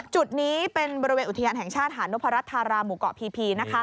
จุดนี้เป็นบริเวณอุทยานแห่งชาติหานพรัฐธาราหมู่เกาะพีพี